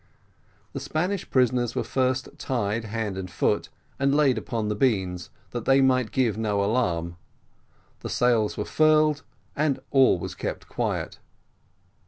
The Spanish prisoners were first tied hand and foot, and laid upon the beans, that they might give no alarm, the sails were furled, and all was kept quiet.